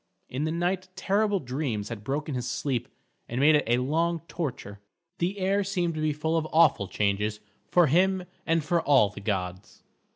In the night terrible dreams had broken his sleep, and made it a long torture. The air seemed to be full of awful changes for him and for all the gods.